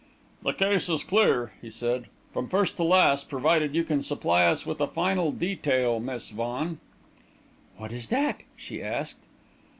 "The case is clear," he said, "from first to last, provided you can supply us with a final detail, Miss Vaughan." "What is that?" she asked.